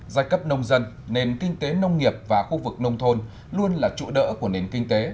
giai cấp nông dân nền kinh tế nông nghiệp và khu vực nông thôn luôn là trụ đỡ của nền kinh tế